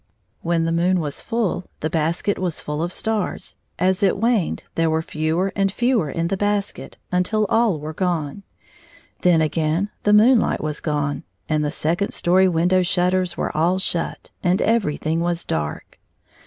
When the moon was ftdl, the basket was fiill of stars; as it waned there were fewer and fewer in the basket, until all were gone. Then again the moon light was gone, and the second story window shutters were all shut, and everjiihing was dark.